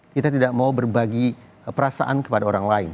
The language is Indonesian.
kita tidak mau berbagi perasaan kepada orang lain